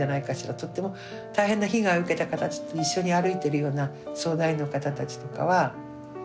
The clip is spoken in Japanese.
とっても大変な被害を受けた方たちと一緒に歩いてるような相談員の方たちとかは。